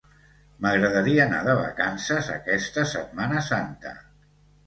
M'agradaria anar de vacances aquesta Setmana Santa.